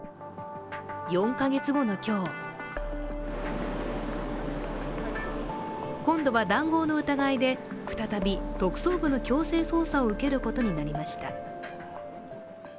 ４か月後の今日今度は談合の疑いで再び特捜部の強制捜査を受けることになりました。